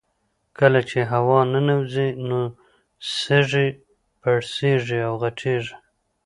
کله چې هوا ننوځي نو سږي پړسیږي او غټیږي